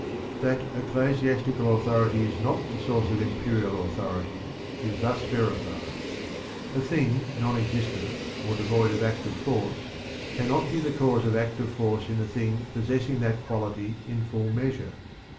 a. That ecclesiastical authority is not the source of Imperial authority is thus verified. A DANTE ALIGHIERI [B.. thing non existent or devoid of active force cannot be the cause of active force in a thing possessing that quality in full measure.